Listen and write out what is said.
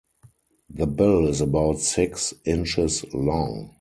The bill is about six inches long.